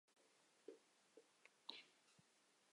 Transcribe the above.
陈汝康为海宁十庙前陈氏迁居后的六代祖。